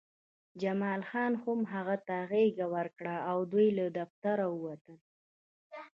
جمال خان هم هغه ته غېږه ورکړه او دوی له دفتر ووتل